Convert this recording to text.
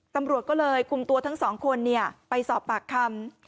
ตำรวจก็เลยคุมตัวทั้งสองคนไปสอบปากคำ